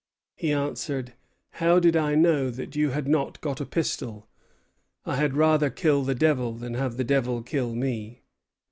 He answered: 'How did I know that you had not got a pistol? I had rather kill the devil than have the devil kill me.'